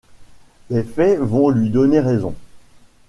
Les faits vont lui donner raison.